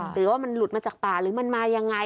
หรือว่ามันหลุดมาจากป่าหรือมันมายังไง